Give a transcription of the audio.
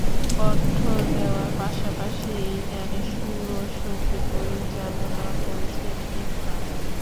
কণ্ঠ দেওয়ার পাশাপাশি এই গানের সুর ও সংগীত পরিচালনা করেছেন ইমরান।